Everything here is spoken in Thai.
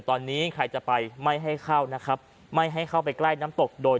ตอนนี้ใครจะไปไม่ให้เข้านะครับไม่ให้เข้าไปใกล้น้ำตกโดย